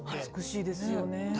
美しいですよね。